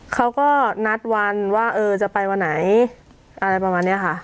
เขาก็นัดวันว่าเออจะไปวันไหนอะไรประมาณนี้ค่ะ